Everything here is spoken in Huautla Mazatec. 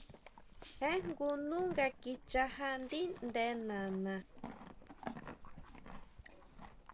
Je jngu nú nga kichajá ndíʼnde nana .